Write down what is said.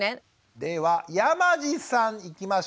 では山地さんいきましょうか。